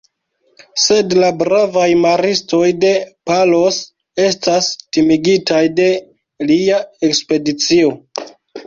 Sed la bravaj maristoj de Palos estas timigitaj de lia ekspedicio.